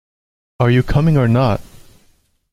Are you coming or not?